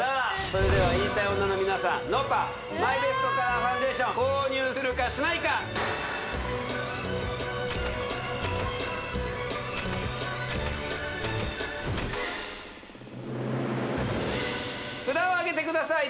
それでは言いたい女の皆さんｎｏｐａマイベストカラーファンデーション購入するかしないか札をあげてください